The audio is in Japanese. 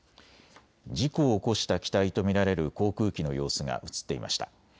事故を起こした機体と見られる航空機の様子が写っていました。